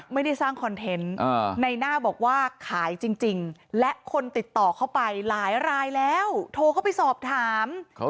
ไม่ได้สร้างคอนเทนต์ในหน้าบอกว่าขายจริงและคนติดต่อเข้าไปหลายรายแล้วโทรเข้าไปสอบถาม